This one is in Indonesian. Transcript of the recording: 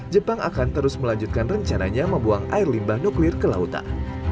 jepang akan terus melanjutkan rencananya membuang air limbah nuklir ke lautan